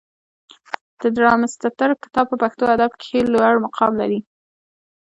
د ډارمستتر کتاب په پښتو ادب کښي لوړ مقام لري.